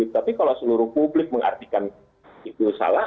tapi kalau seluruh publik mengartikan itu salah